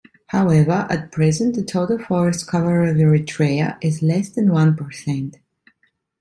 However, at present the total forest cover of Eritrea is less than one percent.